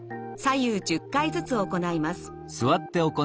左右１０回ずつ行います。